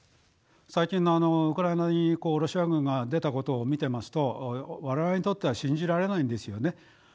最近のウクライナにロシア軍が出たことを見てますと我々にとっては信じられないんですよね。